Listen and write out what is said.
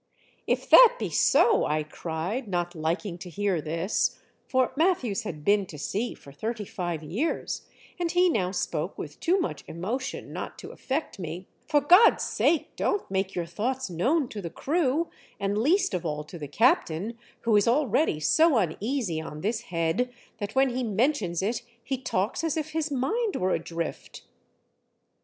"If that be so," I cried, not liking to hear this, for Matthews had been to sea for thirty five years, and he now spoke with too much emotion not to affect me, " for God's sake don't make your thoughts known to the crew, and least of all to the captain, who is already 48 THE DEATH SHIP. SO uneasy on this head that when he mentions it he talks as if his mind were adrift."